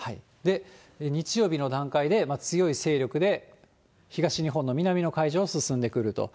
日曜日の段階で、強い勢力で東日本の南の海上を進んでくると。